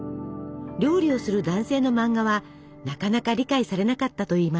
料理をする男性の漫画はなかなか理解されなかったといいます。